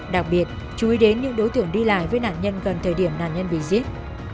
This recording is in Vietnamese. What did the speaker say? đặc biệt chú ý đến những đối tượng đi lại với nạn nhân gần thời điểm nạn nhân bị giết